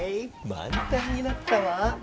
まんタンになったわ。